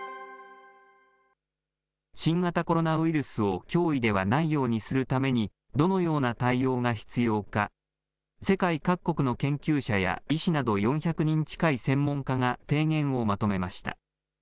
新型コロナウイルスを脅威ではないようにするために、どのような対応が必要か、世界各国の研究者や、医師など４００人近い専門家が提言をまとめました。